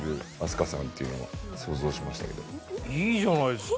いいじゃないですか。